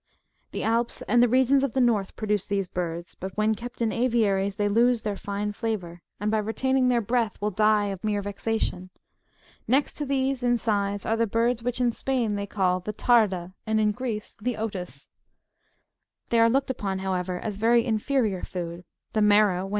The Alps and the regions of the North produce these birds ; but when kept in aviaries, they lose their tine flavour, and by retaining their breath, will die of mere vexation. Next to these in size are the birds which in Spain they call the '' tarda," ^^ and in Greece the " otis :'* they ®3 This medicament is further treated of in B.